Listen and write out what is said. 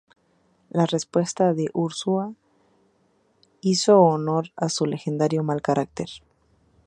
La respuesta de Urzúa hizo honor a su legendario mal carácter.